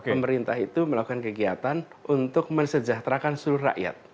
pemerintah itu melakukan kegiatan untuk mensejahterakan seluruh rakyat